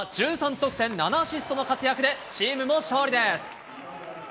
得点７アシストの活躍で、チームも勝利です。